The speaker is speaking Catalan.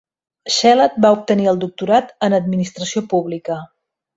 Shelat va obtenir el doctorat en administració pública.